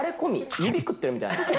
指食ってるみたいな。